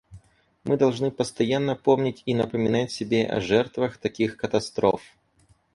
Мы должны постоянно помнить и напоминать себе о жертвах таких катастроф.